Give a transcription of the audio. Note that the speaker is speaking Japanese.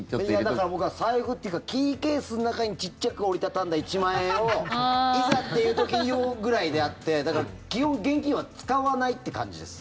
だから、僕は財布っていうかキーケースの中にちっちゃく折り畳んだ一万円をいざっていう時用ぐらいであってだから、基本的に現金は使わないって感じです。